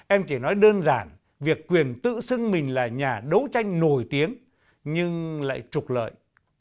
em chỉ nói đơn giản việc quyền tự xưng mình là nhà đấu tranh nổi tiếng nhưng lại trục lợi